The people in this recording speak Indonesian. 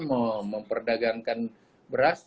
mau memperdagangkan beras